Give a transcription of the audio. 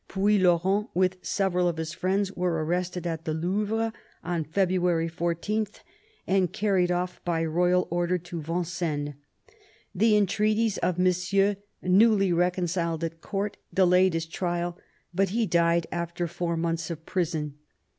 Puylaurens, with several of his friends, was arrested at the Louvre on February 14, and carried off by royal order to Vincennes. The entreaties of Monsieur, newly reconciled at Court, delayed his trial, but he died after four months of prison.